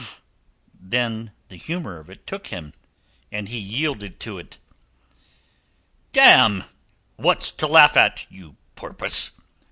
Then the humour of it took him, and he yielded to it. "Damme! What's to laugh at, you porpoise?"